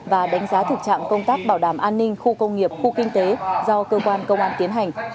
và đánh giá thực trạng công tác bảo đảm an ninh khu công nghiệp khu kinh tế do cơ quan công an tiến hành